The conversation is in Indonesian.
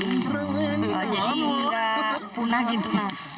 jadi nggak punah gitu